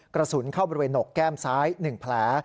กระสุนเข้าบริเวณหนกแก้มซ้าย๑แผล